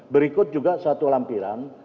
berikut juga satu lampiran